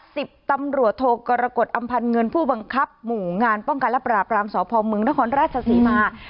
สิบตำรวจโทกรกฎอำพันธ์เงินผู้บังคับหมู่งานป้องกันและปราบรามสพมนครราชศรีมา